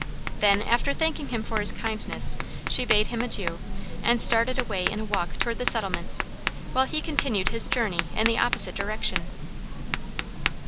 Then, after thanking him for his kindness, she bade him adieu, and started away in a walk toward the settlements, while he continued his journey in the opposite direction.